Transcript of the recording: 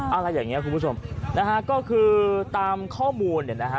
อะไรอย่างเงี้ยคุณผู้ชมนะฮะก็คือตามข้อมูลเนี่ยนะฮะ